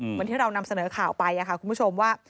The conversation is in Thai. เหมือนที่เรานำเสนอข่าวไปค่ะคุณผู้ชมว่า